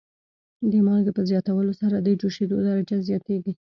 د مالګې په زیاتولو سره د جوشیدو درجه زیاتیږي.